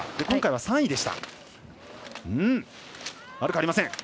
今回は３位でした。